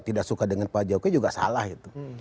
tidak suka dengan pak jokowi juga salah itu